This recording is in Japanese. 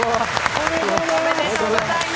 おめでとうございます！